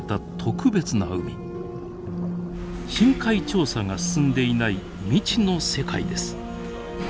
深海調査が進んでいない未知の世界です。